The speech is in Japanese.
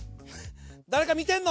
誰か見てんの？